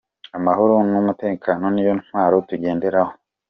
Amahoro numutekano niyo ntwaro tugenderaho.